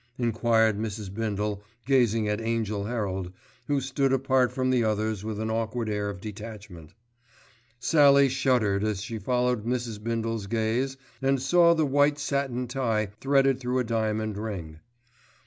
enquired Mrs. Bindle gazing at Angell Herald, who stood apart from the others with an awkward air of detachment. Sallie shuddered as she followed Mrs. Bindle's gaze and saw the white satin tie threaded through a diamond ring.